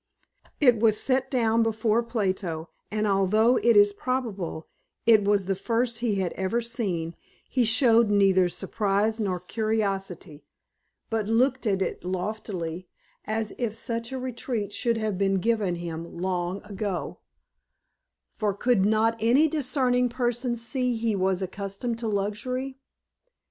It was set down before Plato, and although it is probable it was the first he had ever seen, he showed neither surprise nor curiosity, but looked at it loftily as if such a retreat should have been given him long ago, for could not any discerning person see he was accustomed to luxury?